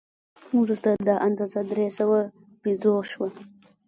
وروسته دا اندازه درې سوه پیزو شوه.